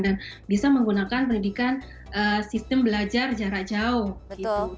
dan bisa menggunakan pendidikan sistem belajar jarak jauh gitu